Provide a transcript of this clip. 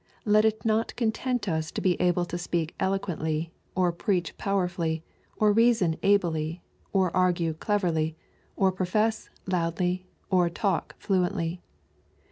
Let it not content us to be able to speak eloquently, or preach powerfully, or reason ably, or argue cleverly, or profess loudly, or talk fluently.